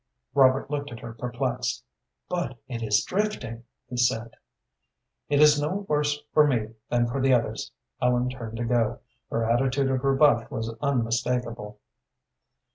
Robert looked at her perplexed. "But it is drifting," he said. "It is no worse for me than for the others." Ellen turned to go. Her attitude of rebuff was unmistakable.